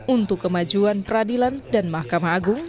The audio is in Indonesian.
untuk kemajuan peradilan dan mahkamah agung